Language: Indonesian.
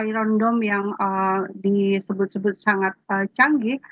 iron dome yang disebut sebut sangat canggih